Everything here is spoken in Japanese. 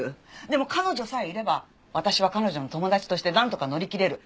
でも彼女さえいれば私は彼女の友達としてなんとか乗り切れる。